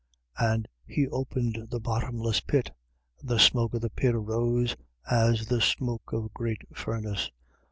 And he opened the bottomless pit: and the smoke of the pit arose, as the smoke of a great furnace.